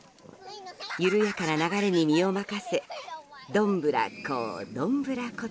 緩やかな流れに身を任せどんぶらこ